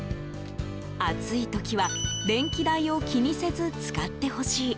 暑い時は電気代を気にせず使ってほしい。